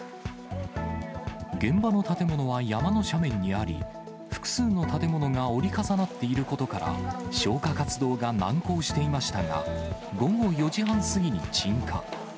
現場の建物は山の斜面にあり、複数の建物が折り重なっていることから、消火活動が難航していましたが、午後４時半過ぎに鎮火。